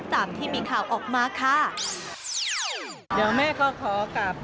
ตามที่มีข่าวออกมาค่ะ